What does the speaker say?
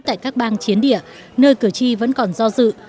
tại các bang chiến địa nơi cử tri vẫn còn do dự